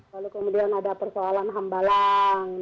lalu kemudian ada persoalan hambalang